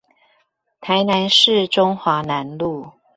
臺南市中華南路